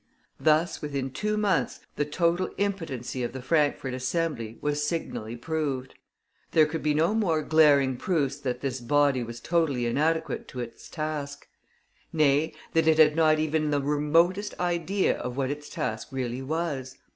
Thus within two months the total impotency of the Frankfort Assembly was signally proved. There could be no more glaring proofs that this body was totally inadequate to its task; nay, that it had not even the remotest idea of what its task really was.